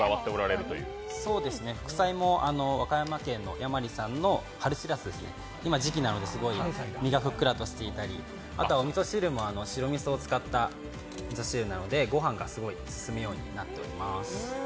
副菜も和歌山県の釜揚げしらす、今時期なのですごい身がふっくらとしていたりお味噌汁も白みそを使った味噌汁なのでご飯がすごい進むようになっています。